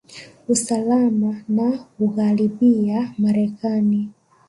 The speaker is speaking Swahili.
usalama na ugharibiya marekani